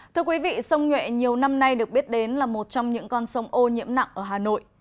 thưa quý vị sông nhuệ nhiều năm nay được biết đến là một trong những con sông ô nhiễm nặng ở hà nội